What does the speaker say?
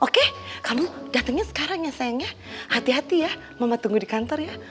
oke kamu datangnya sekarang ya sayangnya hati hati ya mama tunggu di kantor ya